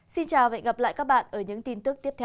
xin chào và hẹn gặp lại các bạn ở những tin tức tiếp theo